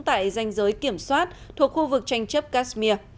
tại danh giới kiểm soát thuộc khu vực tranh chấp kashmir